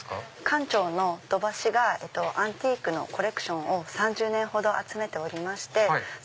館長の土橋がアンティークのコレクションを３０年ほど集めておりまして。